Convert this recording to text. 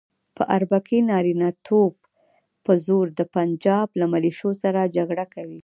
په اربکي نارینتوب په زور د پنجاب له ملیشو سره جګړه کوي.